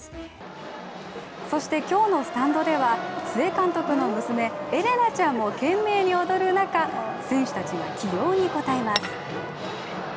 そして今日のスタンドでは、須江監督の娘、恵玲奈ちゃんも懸命に踊る中、選手たちが起用に応えます。